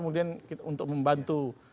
kemudian untuk membantu